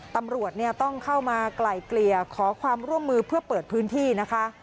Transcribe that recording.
ตำรวจต้องเข้ามาไกลเกลี่ยขอความร่วมมือเพื่อเปิดพื้นที่นะคะ